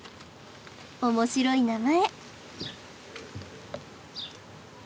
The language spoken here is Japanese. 面白い名前。